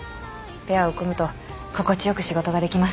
ペアを組むと心地よく仕事ができます。